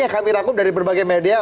yang kami rangkum dari berbagai media